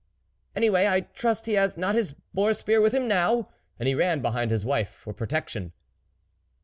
" Anyway I trust he has not his boar spear with him now !" And he ran behind his wife for protection.